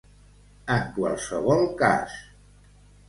En qualsevol cas.